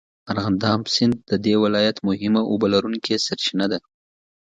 ارغنداب سیند د دې ولایت مهمه اوبهلرونکې سرچینه ده.